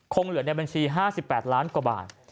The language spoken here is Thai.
เหลือในบัญชี๕๘ล้านกว่าบาท